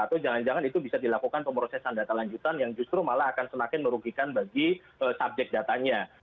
atau jangan jangan itu bisa dilakukan pemrosesan data lanjutan yang justru malah akan semakin merugikan bagi subjek datanya